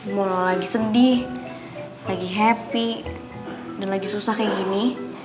mulai lagi sedih lagi happy dan lagi susah kayak gini